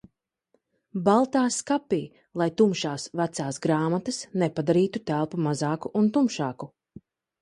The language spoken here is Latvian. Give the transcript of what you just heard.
Baltā skapī, lai tumšās, vecās grāmatas nepadarītu telpu mazāku un tumšāku.